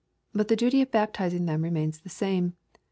But the duty of baptizing them remains the same.